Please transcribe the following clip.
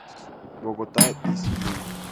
Bogotá D. C., núm.